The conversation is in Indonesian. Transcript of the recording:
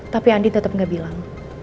tapi andin tetep gak bilang